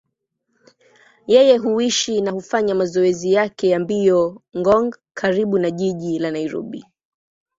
Yeye huishi na hufanya mazoezi yake ya mbio Ngong, karibu na jiji la Nairobi.